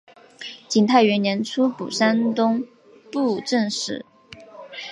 景泰元年出补山东布政使。